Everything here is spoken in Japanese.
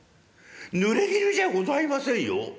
「ぬれぎぬじゃございませんよ。